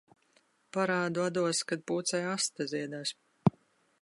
Parādu atdos, kad pūcei aste ziedēs.